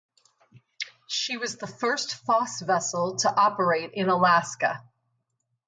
She was the first Foss vessel to operate in Alaska.